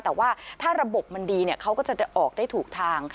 แต่ว่าถ้าระบบมันดีเขาก็จะออกได้ถูกทาง